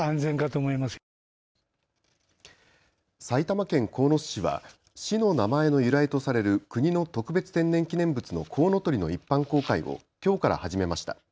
埼玉県鴻巣市は市の名前の由来とされる国の特別天然記念物のコウノトリの一般公開をきょうから始めました。